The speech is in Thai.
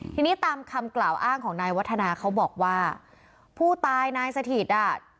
ทีนี้ตามคำกล่าวอ้างของนายวัฒนาเขาบอกว่าผู้ตายนายสถิตอ่ะ